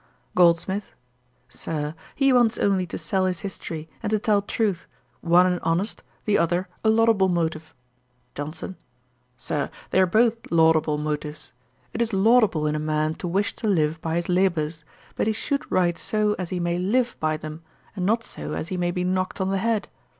GOLDSMITH. 'Sir, he wants only to sell his history, and to tell truth; one an honest, the other a laudable motive.' JOHNSON. 'Sir, they are both laudable motives. It is laudable in a man to wish to live by his labours; but he should write so as he may live by them, not so as he may be knocked on the head.